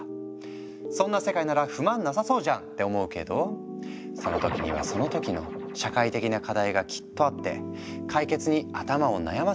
そんな世界なら不満なさそうじゃん！って思うけどその時にはその時の社会的な課題がきっとあって解決に頭を悩ませているんじゃないか？